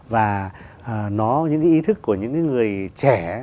và những ý thức của những người trẻ